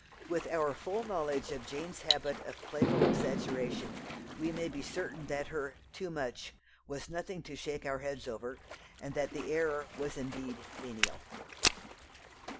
With our full knowledge of Jane's habit of playful exaggeration we may be certain that her "too much" was nothing to shake our heads over, and that the "error" was indeed "venial."